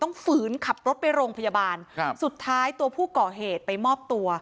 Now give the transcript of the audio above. ฝืนขับรถไปโรงพยาบาลครับสุดท้ายตัวผู้ก่อเหตุไปมอบตัว